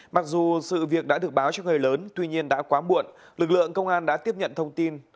mặc dù sự việc đã được báo cho người lớn tuy nhiên đã quá muộn lực lượng công an đã tiếp nhận thông tin